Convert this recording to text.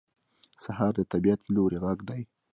سهار د طبیعت له لوري غږ دی.